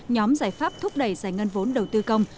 nhóm giải pháp thúc đẩy giải ngân vốn đầu tư công